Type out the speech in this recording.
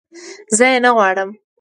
زه یې نه غواړم